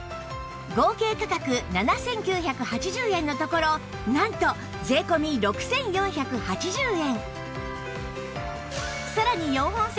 合計価格７９８０円のところなんと税込６４８０円